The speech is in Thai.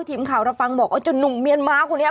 ทีมข่าวเราฟังบอกว่าจนหนุ่มเมียนมาคนนี้